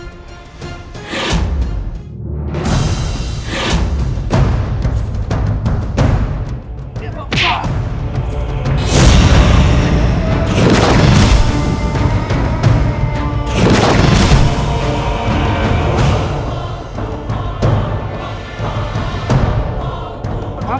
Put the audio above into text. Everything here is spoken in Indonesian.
kita harus lebih berkembang